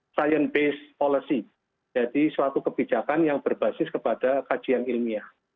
science based policy jadi suatu kebijakan yang berbasis kepada kajian ilmiah